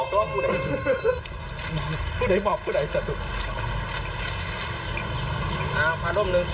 ก็คือบอกคือไหนสำเร็จ